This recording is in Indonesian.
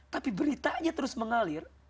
tapi beritanya terus mengalir